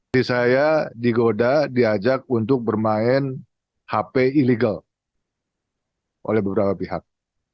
jadi saya digoda diajak untuk bermain hp ilegal oleh beberapa pihak